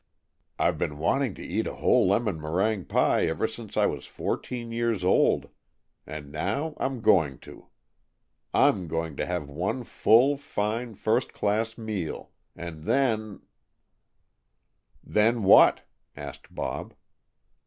I've been wanting to eat a whole lemon meringue pie ever since I was fourteen years old, and now I'm going to. I'm going to have one full, fine, first class meal and then " "Then what?" asked Bob.